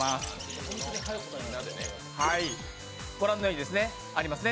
ご覧のようにありますね。